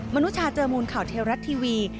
นุชาเจอมูลข่าวเทวรัฐทีวี